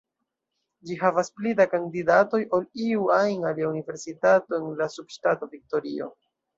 Ĝi havas pli da kandidatoj ol iu ajn alia universitato en la subŝtato Viktorio.